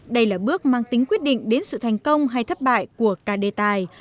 đây là bước mang tính quyết định đến sự thành công hay thất bại của cả đề tài